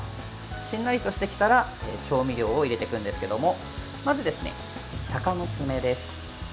しんなりとしてきたら調味料を入れていくんですけどまず、鷹の爪です。